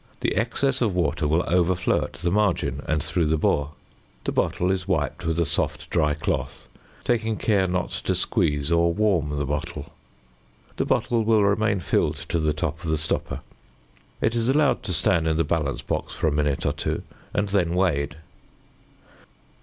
The excess of water will overflow at the margin and through the bore. The bottle is wiped with a soft, dry cloth, taking care not to squeeze or warm the bottle. The bottle will remain filled to the top of the stopper. It is allowed to stand in the balance box for a minute or two, and then weighed.